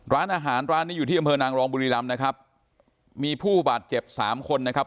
ร้านอาหารร้านนี้อยู่ที่อำเภอนางรองบุรีรำนะครับมีผู้บาดเจ็บสามคนนะครับ